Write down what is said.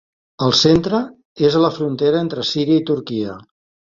El centre és a la frontera entre Síria i Turquia.